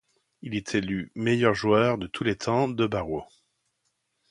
Il est élu meilleur joueur de tous les temps de Barrow.